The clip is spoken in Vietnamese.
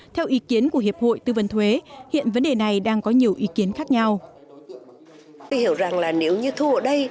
theo ý kiến của hiệp hội tư vấn thuế hiện vấn đề này đang có nhiều ý kiến khác nhau